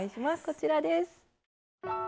こちらです。